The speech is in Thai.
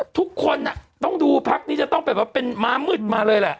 ทุกคนต้องดูพักนี้จะต้องแบบว่าเป็นม้ามืดมาเลยแหละ